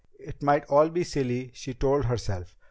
It might all be silly, she told herself.